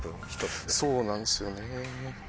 そうなんすよね。